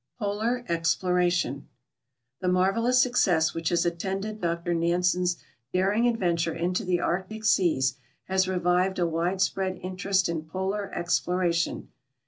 POLAR EXPLORATION The marvelous success which has attended Dr Nansen's daring adventure into the Arctic seas has revived a widespread interest in polar exploration.